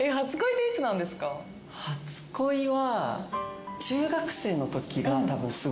初恋は。